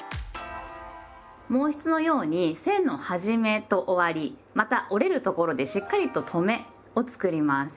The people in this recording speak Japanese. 毛筆のように線の始めと終わりまた折れるところでしっかりと「とめ」を作ります。